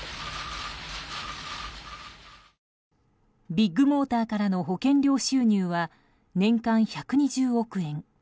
ビッグモーターからの保険料収入は年間１２０億円。